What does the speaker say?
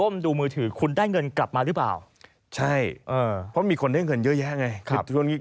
เพราะมีคนได้เงินเยอะแย่ไง